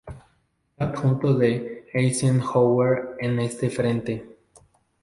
Fue adjunto de Eisenhower en este frente.